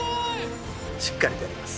しっかりとやります。